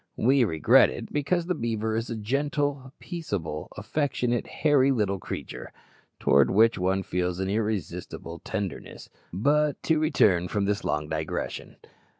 We regret it, because the beaver is a gentle, peaceable, affectionate, hairy little creature, towards which one feels an irresistible tenderness. But to return from this long digression.